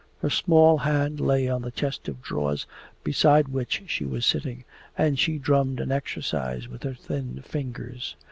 Her small hand lay on the chest of drawers beside which she was sitting, and she drummed an exercise with her thin fingers.